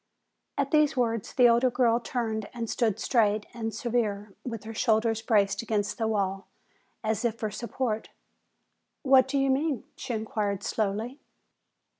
At these words the older girl turned and stood straight and severe with her shoulders braced against the wall as if for support. "What do you mean?" she inquired slowly.